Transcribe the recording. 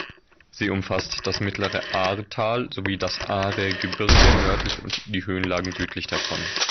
Sie umfasst das mittlere Ahrtal sowie das Ahrgebirge nördlich und die Höhenlagen südlich davon.